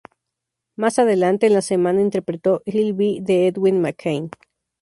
Más adelante en la semana interpretó "I'll Be" de Edwin McCain.